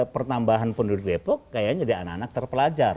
pertambahan penduduk depok kayaknya jadi anak anak terpelajar